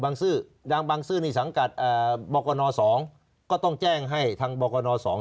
ซื้อดังบางซื่อนี่สังกัดบกน๒ก็ต้องแจ้งให้ทางบกน๒